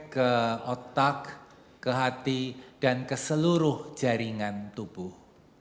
ke otak ke hati dan ke seluruh jaringan tubuh